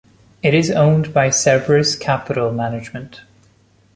It is owned by Cerberus Capital Management.